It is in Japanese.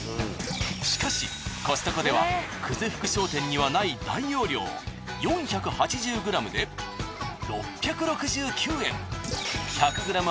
しかしコストコでは久世福商店にはない大容量４８０ｇで６６９円。